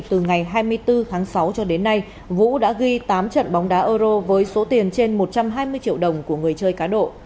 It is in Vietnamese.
từ ngày hai mươi bốn tháng sáu cho đến nay vũ đã ghi tám trận bóng đá euro với số tiền trên một trăm hai mươi triệu đồng của người chơi cá độ